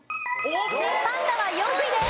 パンダは４位です。